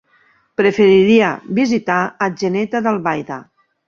Preferiria visitar Atzeneta d'Albaida.